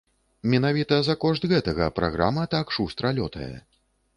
Менавіта за кошт гэтага праграма так шустра лётае.